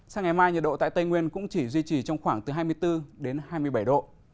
sáng ngày mai nhiệt độ tại tây nguyên cũng chỉ duy trì trong khoảng từ hai mươi bốn đến hai mươi bảy độ